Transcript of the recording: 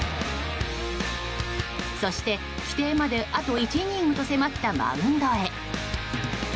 そして、規定まであと１イニングと迫ったマウンドへ。